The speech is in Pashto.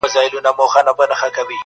د تور کارغه په شان مردار د زانه مه جوړوه